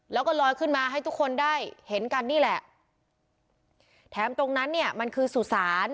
แล้วก็ลอยขึ้นมาให้ทุกคนได้เห็นกันนี่แหละแถมตรงนั้นเนี่ยมันคือสุสาน